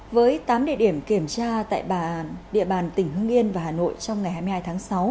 với tám địa điểm kiểm tra tại địa bàn tỉnh hương yên và hà nội trong ngày hai mươi hai tháng sáu